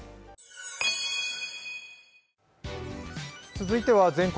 続いては「全国！